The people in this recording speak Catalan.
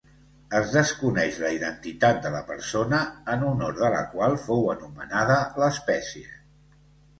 Es desconeix la identitat de la persona en honor de la qual fou anomenada l'espècie.